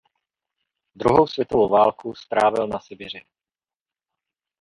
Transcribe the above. Druhou světovou válku strávil na Sibiři.